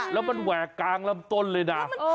แล้วมันแหวกกลางลำต้นเลยนะ